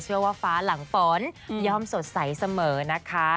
เชื่อว่าฟ้าหลังฝนย่อมสดใสเสมอนะคะ